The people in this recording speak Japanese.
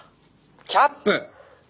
キャップ！